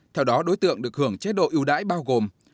theo đó đối tượng được hưởng chế độ ưu đãi bao gồm